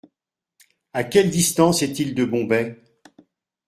À quelle distance est-il de Bombay ?